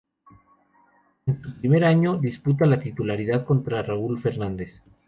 En su primer año, disputa la titularidad contra Raúl Fernández.